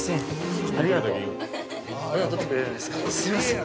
すいません